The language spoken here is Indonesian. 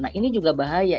nah ini juga bahaya